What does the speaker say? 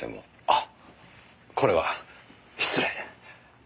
あっこれは失礼。